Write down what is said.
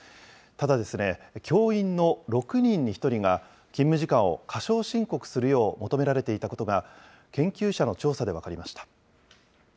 ただ、教員の６人に１人が、勤務時間を過少申告するよう求められていたことが、研究者の調査で分かりました。